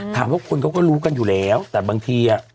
ถามว่าคนเขาก็รู้กันอยู่แล้วแต่บางทีอ่ะ